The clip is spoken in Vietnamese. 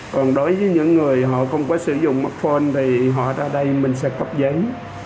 còn đối với những người họ không có sử dụng mắt phone thì họ ra đây mình sẽ cấp giấy